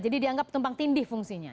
jadi dianggap tumpang tindih fungsinya